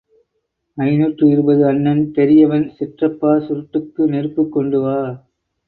ஐநூற்று இருபது அண்ணன் பெரியவன் சிற்றப்பா, சுருட்டுக்கு நெருப்புக் கொண்டு வா.